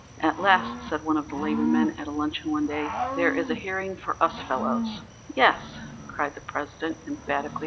"'At last,' said one of the 'labor men' at a luncheon one day, 'there is a hearing for us fellows.' "'Yes,' cried the President emphatically.